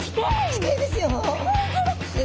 近いですよ。